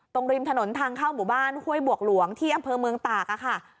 ริมถนนทางเข้าหมู่บ้านห้วยบวกหลวงที่อำเภอเมืองตากค่ะ